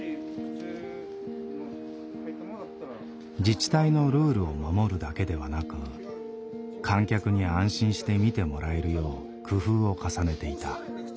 自治体のルールを守るだけではなく観客に安心して見てもらえるよう工夫を重ねていた。